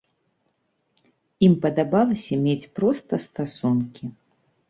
Ім падабалася мець проста стасункі.